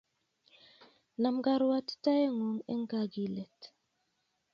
Nam karuatitoet ngung eng kakilet